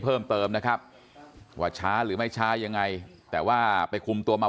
เพิ่มเติมนะครับว่าช้าหรือไม่ช้ายังไงแต่ว่าไปคุมตัวมา